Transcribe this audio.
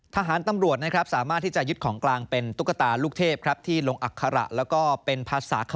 ทหารตำรวจสามารถที่จะยึดของกลางเป็นตุ๊กตาลูกเทพ